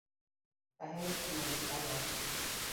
Ahero kuon gi alot